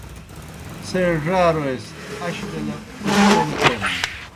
څھے ڙاروئے سہ اش بیْلہ کُدی کوْم تھینَن؟